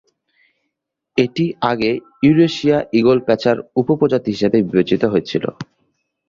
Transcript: এটি আগে ইউরেশিয়ান ঈগল-পেঁচার উপ-প্রজাতি হিসাবে বিবেচিত হয়েছিল।